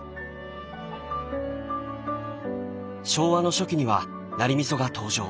昭和の初期にはナリ味噌が登場。